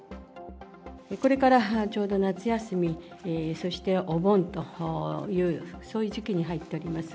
これからちょうど夏休み、そしてお盆という、そういう時期に入っております。